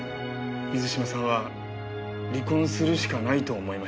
水嶋さんは離婚するしかないと思いました。